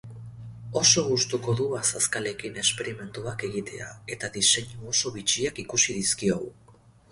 Oso gustuko du azazkalekin esperimentuak egitea eta diseinu oso bitxiak ikusi dizkiogu.